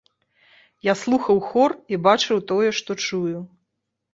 Я слухаў хор і бачыў тое, што чую.